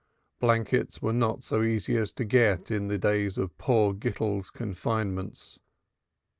Blankets were not so easy to get as in the days of poor Gittel's confinements.